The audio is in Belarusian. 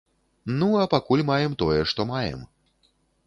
Ну, а пакуль маем тое, што маем.